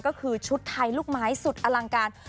ก็คือชุดไทยลูกไม้สุดอลังการ